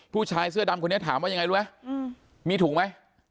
ผู้ชายเสื้อดำคนนี้ถามว่ายังไงรู้ไหมมีถุงไหม